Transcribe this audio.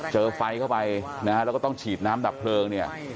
เจอไฟเข้าไปแล้วก็ต้องฉีดน้ำดับเผลิง